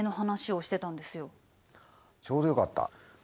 ちょうどよかった。